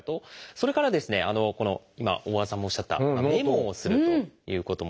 それからこの今大和田さんもおっしゃった「メモをする」ということもやっぱり。